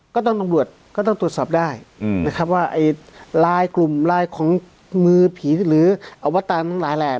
ตำรวจก็ต้องตรวจสอบได้นะครับว่าไอ้ลายกลุ่มไลน์ของมือผีหรืออวตารทั้งหลายแหละ